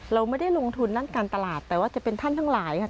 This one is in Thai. เราไม่ได้ลงทุนด้านการตลาดแต่ว่าจะเป็นท่านทั้งหลายค่ะ